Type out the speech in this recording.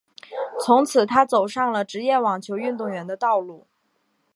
从此她走上了职业网球运动员的道路。